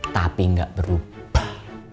tapi gak berubah